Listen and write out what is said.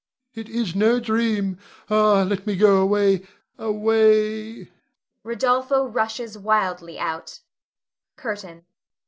It is no dream. Ah, let me go away away! [Rodolpho rushes wildly out.] CURTAIN.